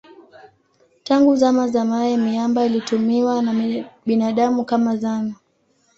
Tangu zama za mawe miamba ilitumiwa na binadamu kama zana.